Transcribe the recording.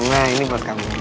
nah ini buat kami